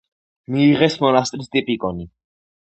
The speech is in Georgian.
მიიღეს მონასტრის ტიპიკონი.